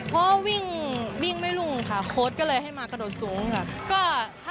เพราะวิ่งไม่รุ่งค่ะโค้ดก็เลยให้มากระโดดสูงค่ะ